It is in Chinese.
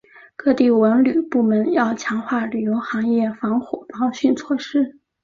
各地文旅部门要强化旅游行业防火防汛措施